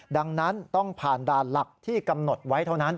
ดังนั้นต้องผ่านด่านหลักที่กำหนดไว้เท่านั้น